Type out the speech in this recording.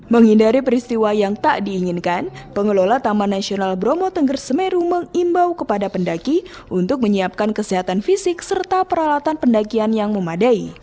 menghindari peristiwa yang tak diinginkan pengelola taman nasional bromo tengger semeru mengimbau kepada pendaki untuk menyiapkan kesehatan fisik serta peralatan pendakian yang memadai